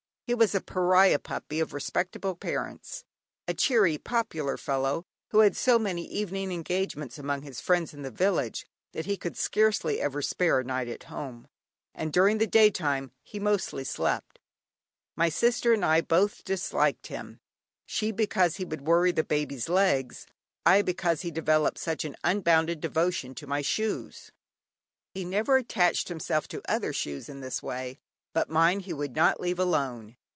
He was a pariah puppy, of respectable parents; a cheery, popular fellow, who had so many evening engagements among his friends in the village, that he could scarcely ever spare a night at home; and during the day time he mostly slept. My sister and I both disliked him, she because he would worry the Baby's legs, I because he developed such an unbounded devotion to my shoes. He never attached himself to other shoes in this way, but mine he would not leave alone.